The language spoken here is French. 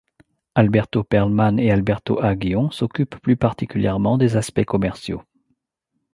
Alberto Perlman et Alberto Aghion s'occupent plus particulièrement des aspects commerciaux.